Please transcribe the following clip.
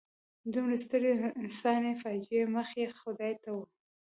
دومره سترې انساني فاجعې مخ یې خدای ته و.